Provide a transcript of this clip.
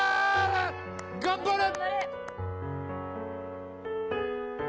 頑張れ！